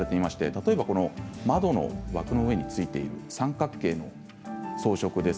例えば、窓の枠の裏についている三角形の装飾